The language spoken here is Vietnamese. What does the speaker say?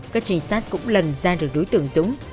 các trinh sát cũng lần ra được đối tượng dũng